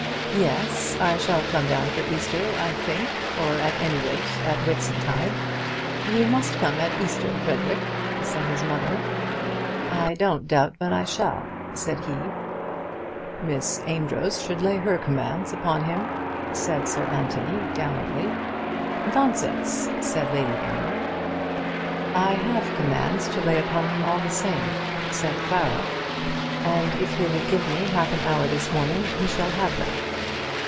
"Yes; I shall come down for Easter, I think, or at any rate at Whitsuntide." "You must come at Easter, Frederic," said his mother. "I don't doubt but I shall," said he. "Miss Amedroz should lay her commands upon him," said Sir Anthony gallantly. "Nonsense," said Lady Aylmer. "I have commands to lay upon him all the same," said Clara; "and if he will give me half an hour this morning he shall have them."